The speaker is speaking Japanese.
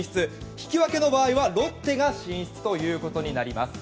引き分けの場合はロッテが進出ということになります。